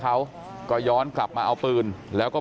แต่ว่าวินนิสัยดุเสียงดังอะไรเป็นเรื่องปกติอยู่แล้วครับ